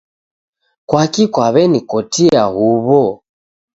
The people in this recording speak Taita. Kwakii kwaw'enikotia huwo?